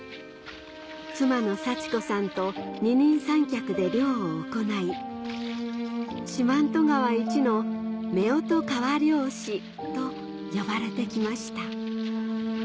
妻のサチコさんと二人三脚で漁を行い四万十川いちの「めおと川漁師」と呼ばれてきました